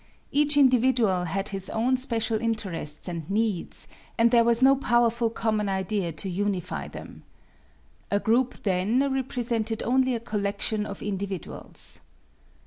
Each individual had his own special interests and needs, and there was no powerful common idea to unify them. A group then represented only a collection of individuals.